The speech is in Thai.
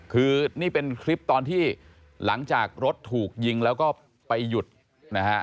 คือนี่เป็นคลิปตอนที่หลังจากรถถูกยิงแล้วก็ไปหยุดนะฮะ